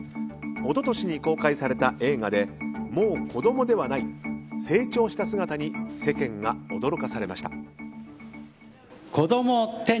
一昨年に公開された映画でもう子供ではない成長した姿に世間が驚かされました。